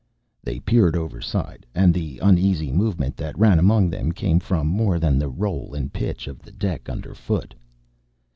They peered overside, and the uneasy movement that ran among them came from more than the roll and pitch of the deck underfoot.